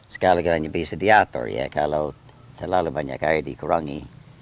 sekali lagi bisa diatur ya kalau terlalu banyak air dikurangi